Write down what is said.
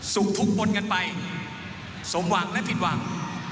ทุกปนกันไปสมหวังและผิดหวัง